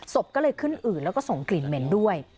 ศพก็เลยขึ้นอืดแล้วก็ส่งกลิ่นเหม็นด้วย